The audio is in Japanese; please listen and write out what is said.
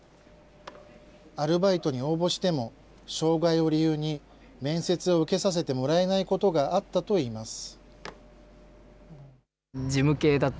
アルバイトに応募しても障害を理由に面接を受けさせてもらえないことがあったといいます。